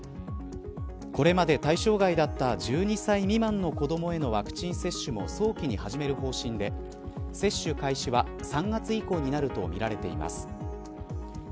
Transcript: これまで対象外だった１２歳未満の子どもへのワクチン接種も早期に始める方針で、接種開始は３月以降になるとみられています。